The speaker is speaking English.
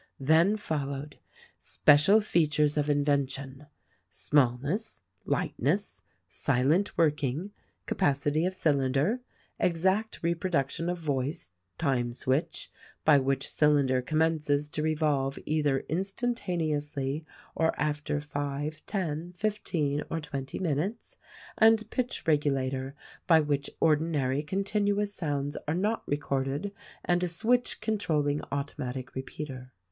Then followed, "Special features of invention : Smallness, lightness, silent work ing, capacity of cylinder, exact reproduction of voice, time switch — by which cylinder commences to revolve either instantaneously or after 5, 10, 15 or 20 minutes, and pitch regulator — by which ordinary continuous sounds are not recorded, and a switch controlling automatic repeater."